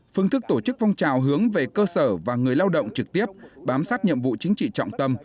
phương thức tổ chức phong trào hướng về cơ sở và người lao động trực tiếp bám sát nhiệm vụ chính trị trọng tâm